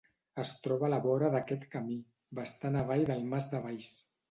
Es troba a la vora d'aquest camí, bastant avall del Mas de Valls.